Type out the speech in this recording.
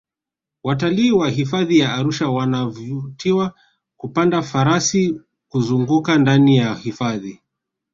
watalii wa hifadhi ya arusha wanavutiwa kupanda farasi kuzungaka ndani ya hifadhi